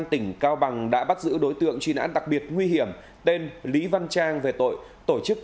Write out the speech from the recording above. tỉnh cao bằng đã bắt giữ đối tượng truy nãn đặc biệt nguy hiểm tên lý văn trang về tội tổ chức